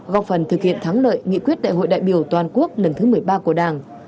góp phần thực hiện thắng lợi nghị quyết đại hội đại biểu toàn quốc lần thứ một mươi ba của đảng